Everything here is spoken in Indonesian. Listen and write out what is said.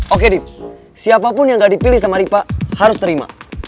oke rip siapapun yang gak dipilih sama ripa harus terima